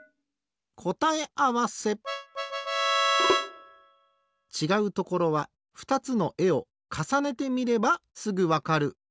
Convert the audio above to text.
こたえあわせちがうところはふたつのえをかさねてみればすぐわかる。